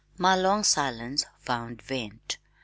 My long silence found vent.